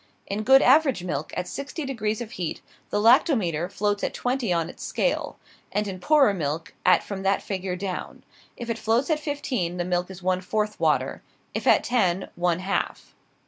In good average milk, at sixty degrees of heat, the lactometer floats at twenty on its scale; and in poorer milk, at from that figure down. If it floats at fifteen, the milk is one fourth water; if at ten, one half.